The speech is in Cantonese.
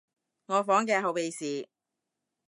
我房嘅後備匙